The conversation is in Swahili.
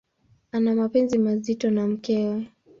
Ana mapenzi mazito na mkewe.